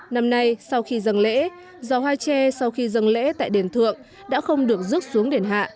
năm nay sau khi dân lễ giò hoa tre sau khi dân lễ tại đền thượng đã không được rước xuống đền hạ